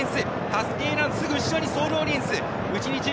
タスティエーラのすぐ後ろにソールオリエンス。